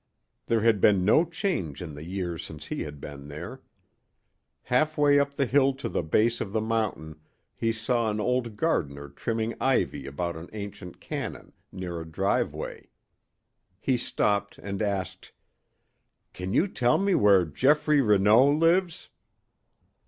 There had been no change in the years since he had been there. Half way up the hill to the base of the mountain he saw an old gardener trimming ivy about an ancient cannon near a driveway. He stopped and asked: "Can you tell me where Geoffrey Renaud lives?"